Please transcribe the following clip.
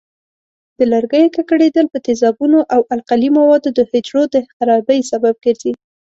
د لرګیو ککړېدل په تیزابونو او القلي موادو د حجرو د خرابۍ سبب ګرځي.